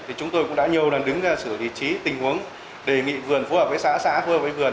thì chúng tôi cũng đã nhiều lần đứng ra xử lý trí tình huống đề nghị vườn phù hợp với xã xã phù hợp với vườn